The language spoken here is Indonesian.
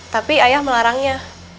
tapi ayah melarangnya